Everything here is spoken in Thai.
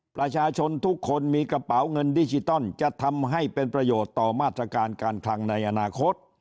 ประชาชนทุกคนมีกระเป๋าเงินดิจิตอลจะทำให้เป็นประโยชน์ต่อมาตรการการคลังในอนาคต